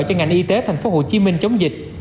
cho ngành y tế tp hcm chống dịch